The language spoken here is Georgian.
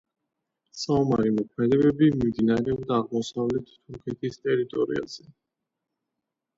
საომარი მოქმედებები მიმდინარეობდა აღმოსავლეთ თურქეთის ტერიტორიაზე.